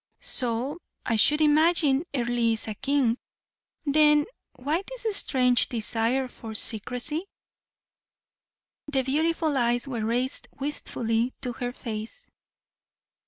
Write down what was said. "So I should imagine. Earle is a king; then why this strange desire for secrecy?" The beautiful eyes were raised wistfully to her face.